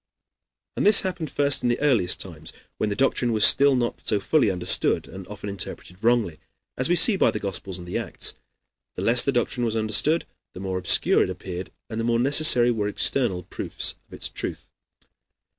And this happened first in the earliest times, when the doctrine was still not so fully understood and often interpreted wrongly, as we see by the Gospels and the Acts. The less the doctrine was understood, the more obscure it appeared and the more necessary were external proofs of its truth.